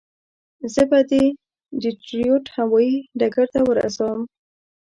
زه به دې ډیترویت هوایي ډګر ته ورسوم.